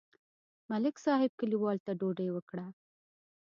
ملک صاحب کلیوالو ته ډوډۍ وکړه.